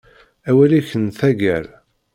Awal-ik n taggar.